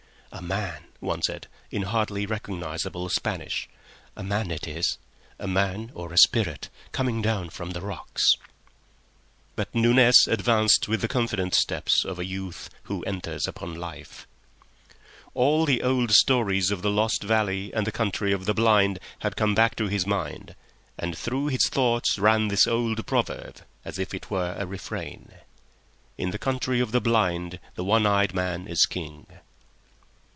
"A man," one said, in hardly recognisable Spanish. "A man it is—a man or a spirit—coming down from the rocks." But Nunez advanced with the confident steps of a youth who enters upon life. All the old stories of the lost valley and the Country of the Blind had come back to his mind, and through his thoughts ran this old proverb, as if it were a refrain:— "In the Country of the Blind the One Eyed Man is King." "In the Country of the Blind the One Eyed Man is King."